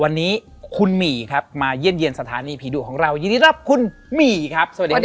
วันนี้คุณหมี่ครับมาเยี่ยมเยี่ยมสถานีผีดุของเรายินดีรับคุณหมี่ครับสวัสดีครับ